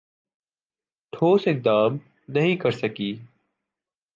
ٹھوس اقدام نہیں کرسکی